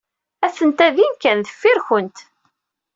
Aten-a din kan deffir-kunt.